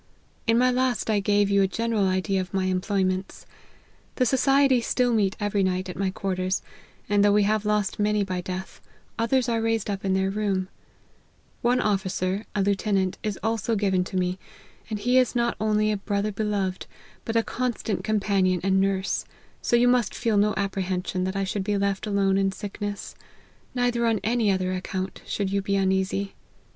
In my last I gave you a general idea of my employments. The society still meet every night at my quarters, and though we have lost many by death, others are raised up in their room ; one officer, a lieutenant, is also given to me ; and he is not only a brother beloved, but a constant companion and nurse ; so you must feel no apprehension that I should be left alone in sick ness ; neither on any other account should you be uneasy.